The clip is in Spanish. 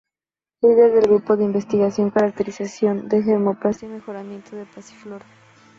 Líder del Grupo de Investigación "Caracterización de Germoplasma y Mejoramiento de Passiflora.